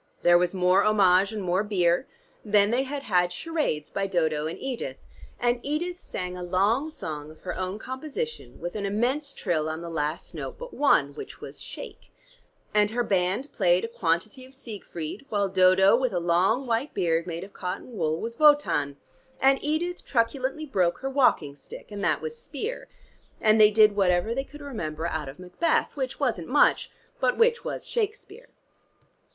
There was more homage and more beer. Then they had had charades by Dodo and Edith, and Edith sang a long song of her own composition with an immense trill on the last note but one, which was 'Shake'; and her band played a quantity of Siegfried, while Dodo with a long white beard made of cotton wool was Wotan, and Edith truculently broke her walking stick, and that was 'Spear,' and they did whatever they could remember out of Macbeth, which wasn't much, but which was 'Shakespeare.'